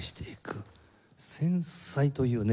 「繊細」というね